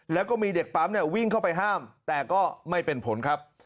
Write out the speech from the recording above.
แล้วก็มีเด็กปั๊มวิ่งเข้าไปห้ามแต่ก็ไม่เป็นผลครับ